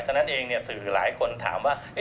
ฉะนั้นเองสื่อหลายคนถามว่า